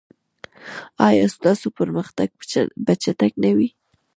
ایا ستاسو پرمختګ به چټک نه وي؟